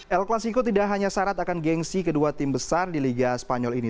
el clasico tidak hanya syarat akan gengsi kedua tim besar di liga spanyol ini